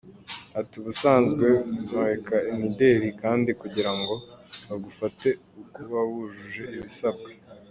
Ati Ubusanzwe murika imideli, kandi kugira ngo bagufate Ukuba wujuje ibisabwa.